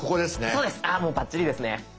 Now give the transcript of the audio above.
そうですあもうバッチリですね。